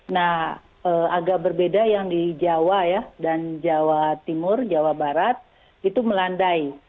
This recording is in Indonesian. nah agak berbeda yang di jawa ya dan jawa timur jawa barat itu melandai